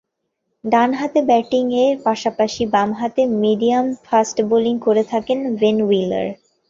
ডানহাতে ব্যাটিংয়ের পাশাপাশি বামহাতে মিডিয়াম-ফাস্ট বোলিং করে থাকেন বেন হুইলার।